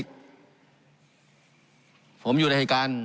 การปรับปรุงทางพื้นฐานสนามบิน